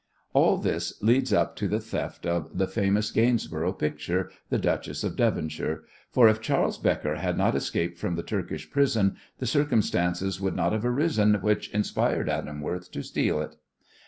All this leads up to the theft of the famous Gainsborough picture, "The Duchess of Devonshire," for if Charles Becker had not escaped from the Turkish prison the circumstances would not have arisen which inspired Adam Worth to steal it.